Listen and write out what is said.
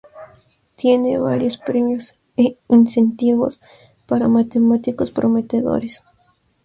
Tiene varios premios e incentivos para matemáticos prometedores.